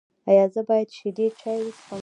ایا زه باید شیدې چای وڅښم؟